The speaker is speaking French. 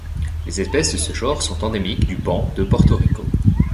Les espèces de ce genre sont endémiques du banc de Porto Rico.